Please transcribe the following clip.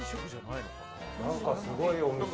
何か、すごいお店。